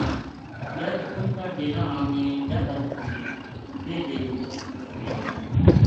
جد اُنھ کا ڈیرا ہالاں نے یاہ گل سُنی ویہ بے مُچ خوش ہویا